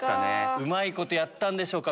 うまいことやったんでしょうか。